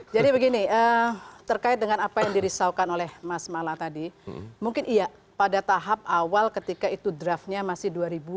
jadi begini terkait dengan apa yang dirisaukan oleh mas malla tadi mungkin iya pada tahap awal ketika itu draftnya masih dua ribu lima belas